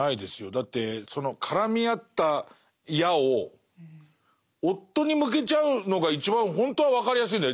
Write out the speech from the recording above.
だってその絡み合った矢を夫に向けちゃうのが一番本当は分かりやすいんだよ。